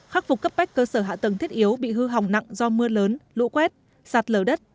khắc phục cấp bách cơ sở hạ tầng thiết yếu bị hư hỏng nặng do mưa lớn lũ quét sạt lở đất